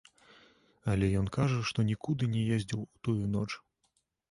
Але ён кажа, што нікуды не ездзіў у тую ноч.